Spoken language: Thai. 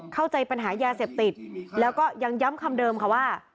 เข้าใจปัญหายาเสพติดแล้วก็ยังย้ำคำเดิมค่ะว่า